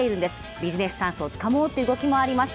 ビジネスチャンスをつかもうっていう動きもあります。